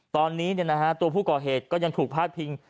ตอนนี้ตัวผู้ก่อเหตุก็ยังถูกพาดพิง